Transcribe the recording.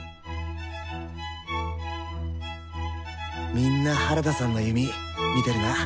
みんな原田さんの弓見てるな。